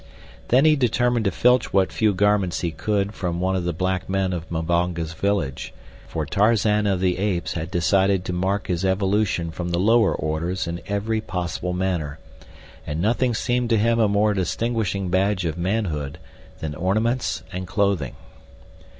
Then he determined to filch what few garments he could from one of the black men of Mbonga's village, for Tarzan of the Apes had decided to mark his evolution from the lower orders in every possible manner, and nothing seemed to him a more distinguishing badge of manhood than ornaments and clothing.